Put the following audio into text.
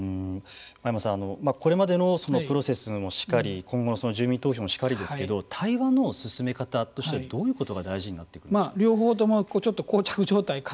真山さん、これまでのプロセスもしかり今後の住民投票もしかりですけど対話の進め方というのはどういうことが大事になってくるんでしょうか。